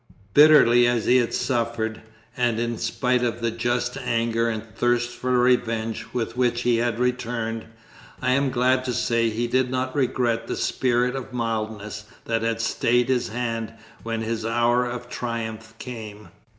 Bitterly as he had suffered, and in spite of the just anger and thirst for revenge with which he had returned, I am glad to say he did not regret the spirit of mildness that had stayed his hand when his hour of triumph came.